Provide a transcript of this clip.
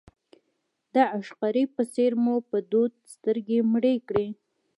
د عشقري په څېر مو پر دود سترګې مړې کړې.